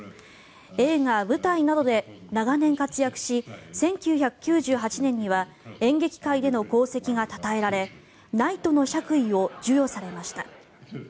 映画、舞台などで長年活躍し１９９８年には演劇界での功績がたたえられナイトの爵位を授与されました。